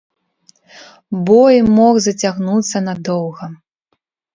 Бой мог зацягнуцца надоўга.